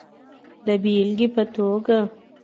د بېلګې په توګه